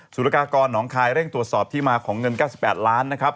สุรกากรหนองคายเร่งตรวจสอบที่มาของเงิน๙๘ล้านนะครับ